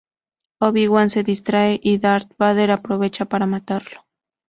Obi Wan se distrae y Darth Vader aprovecha para matarlo.